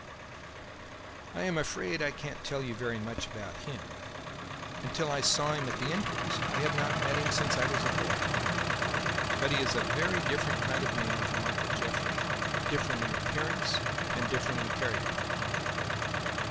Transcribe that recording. "I am afraid I can't tell you very much about him. Until I saw him at the inquest, I had not met him since I was a boy. But he is a very different kind of man from Uncle Jeffrey; different in appearance and different in character."